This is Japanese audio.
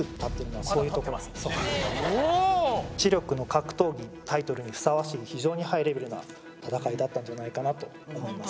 「知力の格闘技」タイトルにふさわしい非常にハイレベルな闘いだったんじゃないかなと思います。